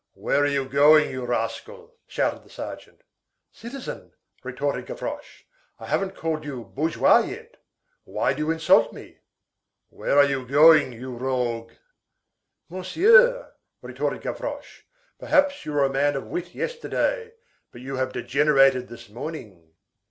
"Where are you going, you rascal?" shouted the sergeant. "Citizen," retorted Gavroche, "I haven't called you 'bourgeois' yet. Why do you insult me?" "Where are you going, you rogue?" "Monsieur," retorted Gavroche, "perhaps you were a man of wit yesterday, but you have degenerated this morning."